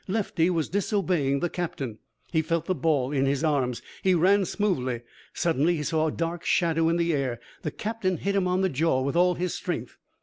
Lefty was disobeying the captain. He felt the ball in his arms. He ran smoothly. Suddenly he saw a dark shadow in the air. The captain hit him on the jaw with all his strength.